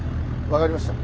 分かりました。